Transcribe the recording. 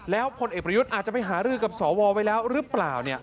พลเอกประยุทธ์อาจจะไปหารือกับสวไว้แล้วหรือเปล่า